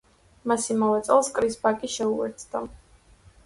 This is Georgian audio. მას იმავე წელს კრის ბაკი შეუერთდა.